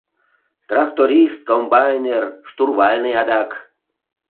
Тракторист, комбайнер, штурвальный адак.